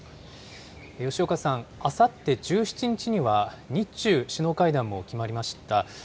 吉岡さん、あさって１７日には、日中首脳会談も決まりました。